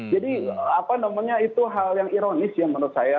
jadi apa namanya itu hal yang ironis ya menurut saya